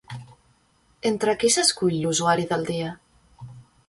Entre qui s'escull l'«usuari del dia»?